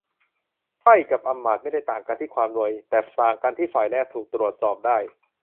ไพร่กับอำมาตย์ไม่ได้ต่างกันที่ความรวย แต่ต่างกันที่ฝ่ายแรกถูกตรวจสอบได้